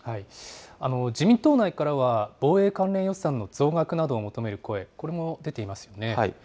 自民党内からは、防衛関連予算の増額などを求める声、これも出ていますね。